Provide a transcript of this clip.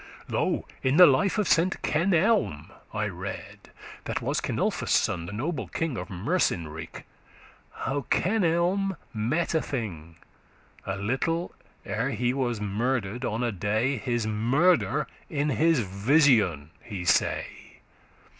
Lo, in the life of Saint Kenelm <15> I read, That was Kenulphus' son, the noble king Of Mercenrike, <16> how Kenelm mette a thing. A little ere he was murder'd on a day, His murder in his vision he say.